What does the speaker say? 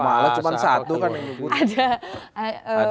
malah cuma satu kan yang dihubungi